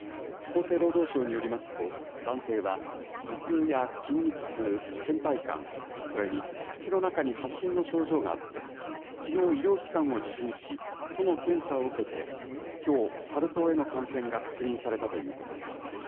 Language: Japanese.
厚生労働省によりますと、男性は、頭痛や筋肉痛、けん怠感、それに口の中に発疹の症状があって、きのう医療機関を受診し、都の検査を受けて、きょう、サル痘への感染が確認されたということです。